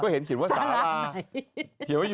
เขาเห็นเขียนว่าทรานะ